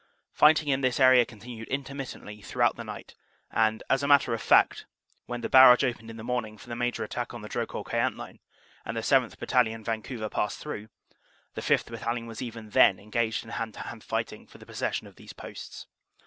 Fighting in this area continued intermittently throughout the night, and, as a matter of fact, when the barrage opened in the morning for the major attack on the Drocourt Queant line, and the 7th. Bat talion, Vancouver, passed through, the 5th. Battalion was even then engaged in hand to hand fighting for the possession of these posts.